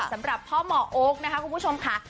สำหรับพ่อหมอโอ๊คนะคะคุณผู้ชมค่ะ